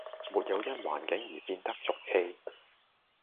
沒有因環境而變得俗氣